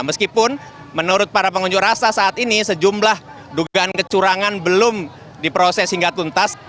meskipun menurut para pengunjuk rasa saat ini sejumlah dugaan kecurangan belum diproses hingga tuntas